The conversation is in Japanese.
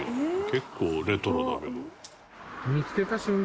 結構レトロだけど」